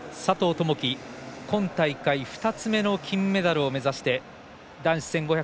友祈、今大会２つ目の金メダルを目指して男子１５００